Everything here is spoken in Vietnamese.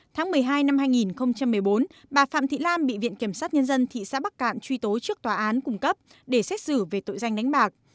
tháng một mươi hai năm hai nghìn một mươi bốn bà phạm thị lan bị viện kiểm sát nhân dân thị xã bắc cạn truy tố trước tòa án cung cấp để xét xử về tội danh đánh bạc